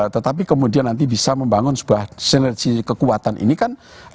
tetapi kemudian nanti bisa membangun sebuah sinergi kekuatan ini kan